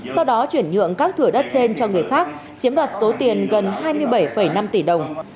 sau đó chuyển nhượng các thửa đất trên cho người khác chiếm đoạt số tiền gần hai mươi bảy năm tỷ đồng